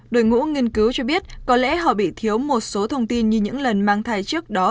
đội ngũ nghiên cứu cho biết có lẽ họ bị thiếu một số thông tin như những lần mang thai trước đó